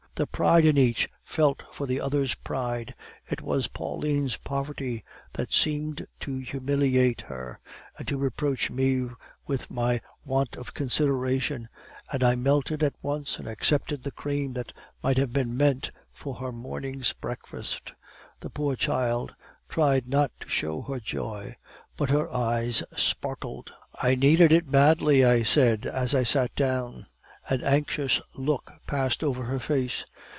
"The pride in each felt for the other's pride. It was Pauline's poverty that seemed to humiliate her, and to reproach me with my want of consideration, and I melted at once and accepted the cream that might have been meant for her morning's breakfast. The poor child tried not to show her joy, but her eyes sparkled. "'I needed it badly,' I said as I sat down. (An anxious look passed over her face.)